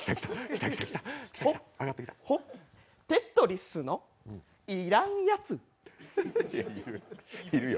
テトリスの要らんやつ。